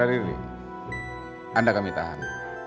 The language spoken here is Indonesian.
saudara diri anda kami tahan